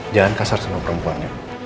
jangan kasar sama perempuannya